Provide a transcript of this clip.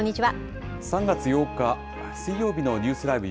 ３月８日水曜日のニュースＬＩＶＥ！